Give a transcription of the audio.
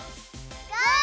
ゴー！